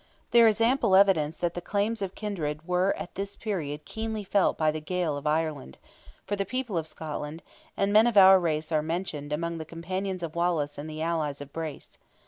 There is ample evidence that the claims of kindred were at this period keenly felt by the Gael of Ireland, for the people of Scotland, and men of our race are mentioned among the companions of Wallace and the allies of Bruce.